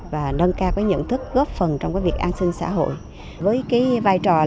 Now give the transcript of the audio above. và nâng cao những thức góp phần trong việc an sinh xã hội